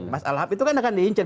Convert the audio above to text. mas alham itu kan akan diincin